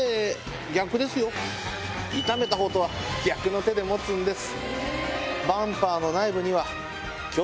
痛めた方とは逆の手で持つんです。